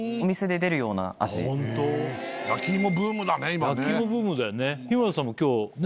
焼き芋ブームだね今ね。